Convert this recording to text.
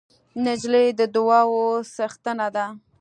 نجلۍ د دعاوو څښتنه ده.